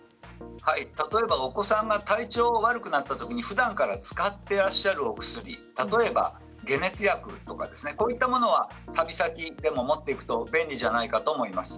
例えばお子さんが体調が悪くなったときにふだんから使っていらっしゃるお薬、例えば解熱薬とかこういったものは、旅先でも持っていくと便利じゃないかと思います。